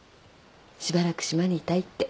しばらく島にいたいって。